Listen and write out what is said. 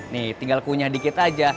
nih tinggal kunyah dikit aja